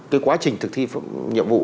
cái quá trình thực thi nhiệm vụ